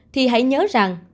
thì hãy nhớ rằng